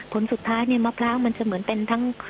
ผลสุดท้ายเนี่ยมะพร้าวมันจะเหมือนเป็นทั้ง